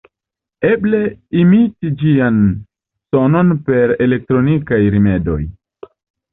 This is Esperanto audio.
Eblas imiti ĝian sonon per elektronikaj rimedoj.